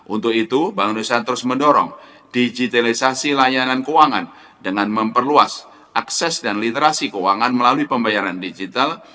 untuk itu bank indonesia terus mendorong digitalisasi layanan keuangan dengan memperluas akses dan literasi keuangan melalui pembayaran digital